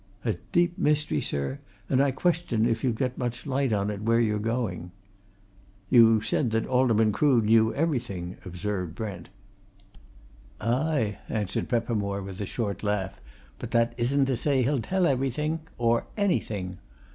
A deep mystery, sir, and I question if you'll get much light on it where you're going." "You said that Alderman Crood knew everything," observed Brent. "Ay!" answered Peppermore, with a short laugh. "But that isn't to say that he'll tell everything or anything!